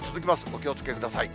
お気をつけください。